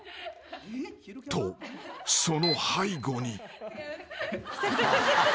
［とその背後に］